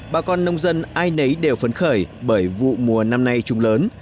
bà con nông dân ai nấy đều phấn khởi bởi vụ mùa năm nay trùng lớn